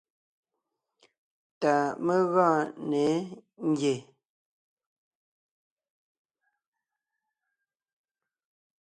Tà mé gɔɔn ne yé ngie.